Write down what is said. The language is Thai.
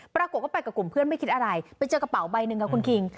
ปรากฏว่าไปกับกลุ่มเพื่อนไม่คิดอะไรไปเจอกระเป๋าใบหนึ่งค่ะคุณคิง